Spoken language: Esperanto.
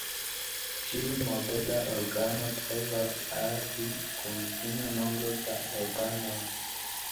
Ĉiu movebla organo povas agi kun fina nombro da organoj.